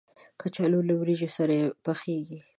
کچالو له وریجو سره پخېږي